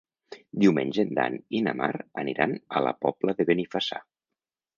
Diumenge en Dan i na Mar aniran a la Pobla de Benifassà.